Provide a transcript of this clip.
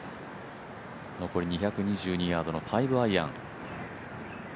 残り２２２ヤードの５アイアン。